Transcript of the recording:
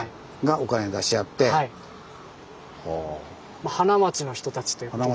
まあ花街の人たちということです。